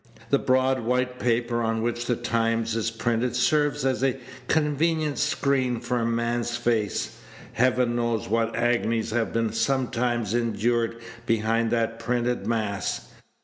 The broad white paper on which the Times is printed serves as a convenient screen for a man's face. Heaven knows what agonies have been sometimes endured behind that printed mass.